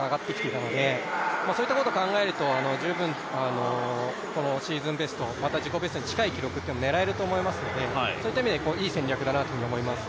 そういったことを考えると十分シーズンベスト、自己ベストに近い記録というのが狙えますのでそういった意味でいい戦略だなと思います。